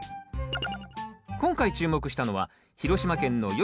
今回注目したのは広島県のよし！